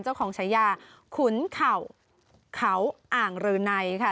เจ้าของชายาขุนเข่าอ่างเรือนัยค่ะ